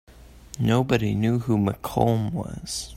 Nobody knew who Malcolm was.